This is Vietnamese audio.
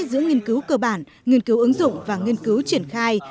giữa nghiên cứu cơ bản nghiên cứu ứng dụng và nghiên cứu triển khai